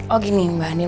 oh gini mbak andien